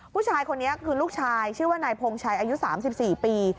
ผู้ชายคนนี้คือลูกชายชื่อว่านายพงชัยอายุ๓๔ปี